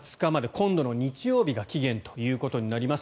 今度の日曜日が期限ということになります。